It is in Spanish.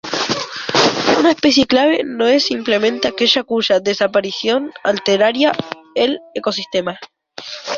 Una especie clave no es simplemente aquella cuya desaparición alteraría el ecosistema.